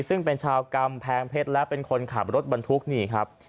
ซึ่งเป็นชาวกำแพงเพชรและเป็นคนขับรถบรรทุกนี่ครับ